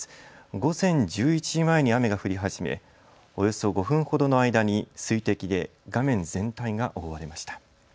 午前１１時前に雨が降り始めおよそ５分ほどの間に水滴で画面全体が覆われました。